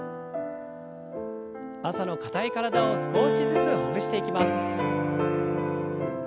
朝の硬い体を少しずつほぐしていきます。